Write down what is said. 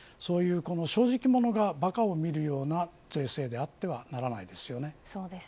正直者がばかを見るような税制であってはならないですよね。